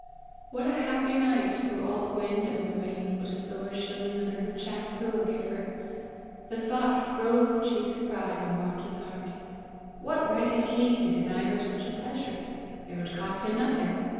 What a happy night, through all the wind and the rain, would a silver shilling under her chaff pillow give her! The thought froze the chief's pride, and warmed his heart. What right had he to deny her such a pleasure! It would cost him nothing!